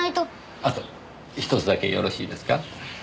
あとひとつだけよろしいですか？